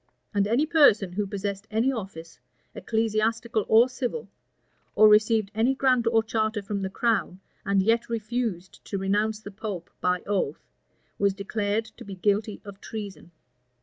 And any person who possessed any office, ecclesiastical or civil, or received any grant or charter from the crown, and yet refused to renounce the pope by oath, was declared to be guilty of treason.